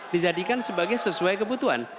dijadikan sebagai sesuai kebutuhan